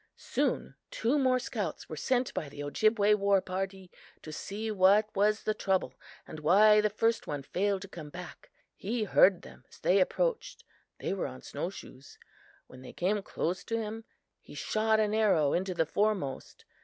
"Soon two more scouts were sent by the Ojibway war party to see what was the trouble and why the first one failed to come back. He heard them as they approached. They were on snowshoes. When they came close to him, he shot an arrow into the foremost.